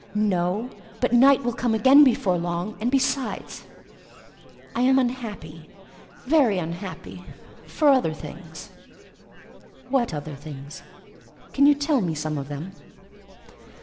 "No: but night will come again before long: and besides,—I am unhappy,—very unhappy, for other things." "What other things? Can you tell me some of them?"